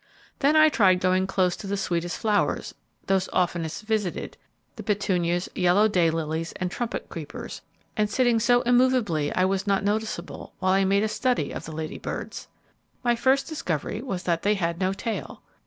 Then I tried going close the sweetest flowers, those oftenest visited, the petunias, yellow day lilies, and trumpet creepers, and sitting so immovably I was not noticeable while I made a study of the Lady Birds. My first discovery was that they had no tail.